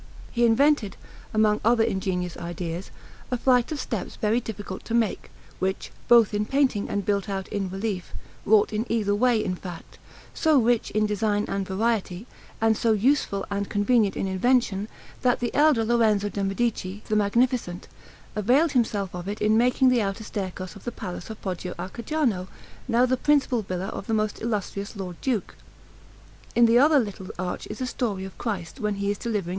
He invented, among other ingenious ideas, a flight of steps very difficult to make, which, both in painting and built out in relief wrought in either way, in fact is so rich in design and variety, and so useful and convenient in invention, that the elder Lorenzo de' Medici, the Magnificent, availed himself of it in making the outer staircase of the Palace of Poggio a Cajano, now the principal villa of the most Illustrious Lord Duke. In the other little arch is a story of Christ when he is delivering S.